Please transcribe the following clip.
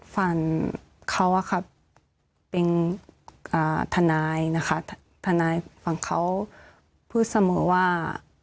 ฝั่งเขาว่าครับเป็นทนายนะคะทนายฝั่งเขาเพื่อเสมอว่า